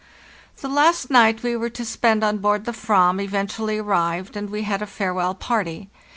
The last night we were to spend on board the /yvam eventually arrived, and we had a farewell party.